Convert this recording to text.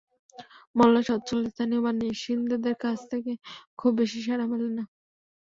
মহল্লার সচ্ছল স্থানীয় বাসিন্দাদের কাছ থেকে খুব বেশি সাড়া মেলে না।